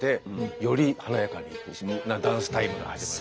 より華やかなダンスタイムが始まる。